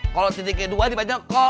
kalo titiknya dua dibacanya ko